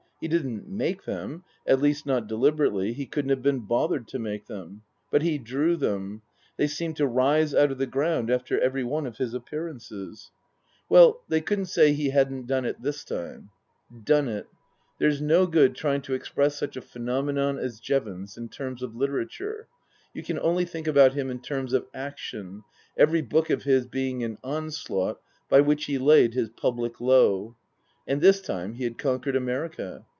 He didn't make them, at least, not deliberately, he couldn't have been bothered to make them ; but he drew them ; they seemed to rise out of the ground after every one of his appearances. 158 Tasker Jevons Well, they couldn't say he hadn't done it this time. Done it. There's no good trying to express such a phenomenon as Jevons in terms of literature. You can only think about him in terms of action, every book oi his being an onslaught by which he laid his public low. And this time he had conquered America.